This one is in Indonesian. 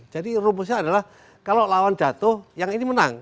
jadi rumusnya adalah kalau lawan jatuh yang ini menang